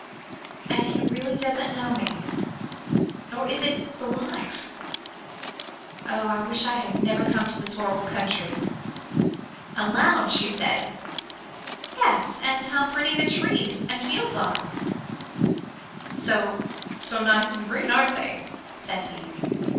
And he really doesn't know me? Or is it the wife? Oh! I wish I'd never come to this horrible country!" Aloud she said, "Yes, and how pretty the trees and fields are " "So so nice and green, aren't they?" said he.